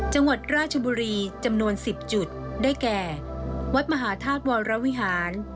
จังหวัดราชบุรีจำนวน๑๐จุดได้แก่วัดมหาธาตุวรวิหาร